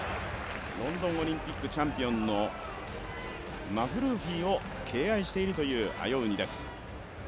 ロンドンオリンピックチャンピオンのルーフィーを敬愛しているというアヨウニです。